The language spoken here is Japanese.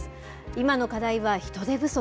今の課題は人手不足。